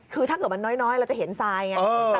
คือถ้าเกิดมันน้อยเราจะเห็นทรายไง